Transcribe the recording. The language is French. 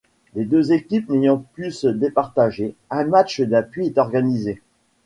Les deux équipes n'ayant pu se départager, un match d'appui est organisé.